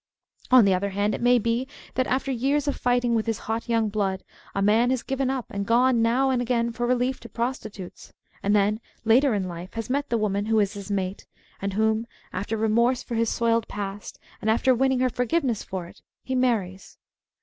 On the other hand, it may be that after years of fighting with his hotjoung blood a man has given up and gone now and again for relief to prostitutes, and then later in life has met the woman who is his mate, and whom, after remorse for his soiled past, and after winning her forgiveness for it, he marries.